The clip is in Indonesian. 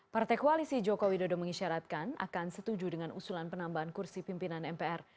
partai koalisi joko widodo mengisyaratkan akan setuju dengan usulan penambahan kursi pimpinan mpr